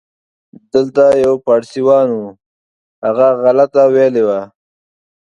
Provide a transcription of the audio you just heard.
دلته یو پاړسیوان و، هغه غلطه ویلې وه.